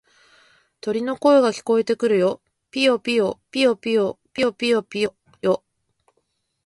鳥の声が聞こえてくるよ。ぴよぴよ、ぴよぴよ、ぴよぴよよ。